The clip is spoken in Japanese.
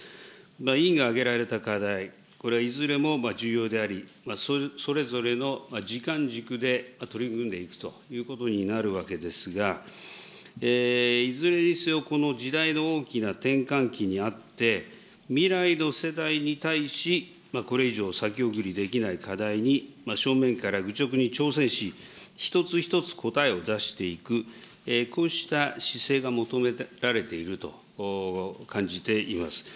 委員が挙げられた課題、これはいずれも重要であり、それぞれの時間軸で取り組んでいくということになるわけですが、いずれにせよ、この時代の大きな転換期にあって、未来の世代に対し、これ以上先送りできない課題に、正面から愚直に挑戦し、一つ一つ答えを出していく、こうした姿勢が求められていると感じています。